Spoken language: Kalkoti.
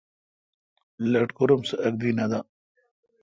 لٹکور ام سہ اک دی نہ دا۔